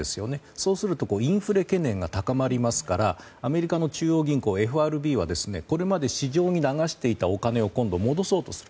そうするとインフレ懸念が高まりますからアメリカの中央銀行ＦＲＢはこれまで市場に流していたお金を今度、戻そうとする。